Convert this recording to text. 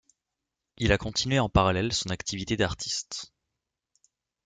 Il a continué en parallèle son activité d'artiste.